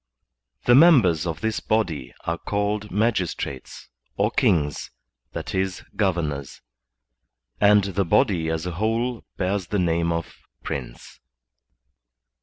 The members of this body are called magistrates or KINGS, that is, governors; and the body as a whole bears the name of PRiNCEf.